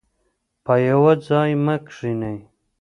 په یوه ځای مه کښینئ.